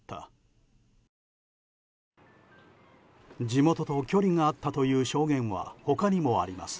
地元と距離があったという証言は他にもあります。